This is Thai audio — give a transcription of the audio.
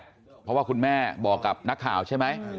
เพราะว่าคุณแม่บอกกับนักข่าวใช่ไหม